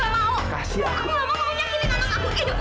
aku tidak mau